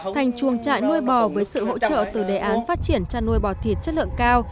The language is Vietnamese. thành chuồng trại nuôi bò với sự hỗ trợ từ đề án phát triển chăn nuôi bò thịt chất lượng cao